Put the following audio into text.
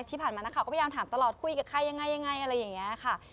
ที่ผ่านมานักข่าวก็พยายามถามตลอดคุยกับใครยังไงอะไรอย่างนี้ค่ะ